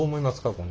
この。